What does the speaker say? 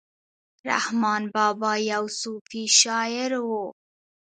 رحمان بابا یو صوفي شاعر ؤ